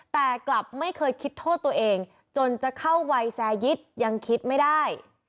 แต่กลับไม่เคยคิดโทษตัวเองจนจะเข้าวัยแซยิตยังคิดไม่ได้